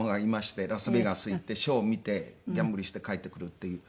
ラスベガス行ってショー見てギャンブルして帰ってくるっていう。